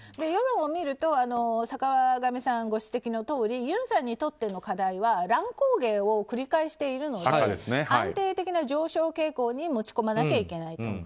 世論を見ると坂上さんがご指摘のとおりユンさんの問題は乱高下を繰り返しているので安定的な上昇傾向に持ち込まなきゃいけない。